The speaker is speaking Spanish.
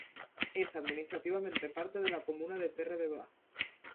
Es administrativamente parte de la comuna de Terre-de-Bas.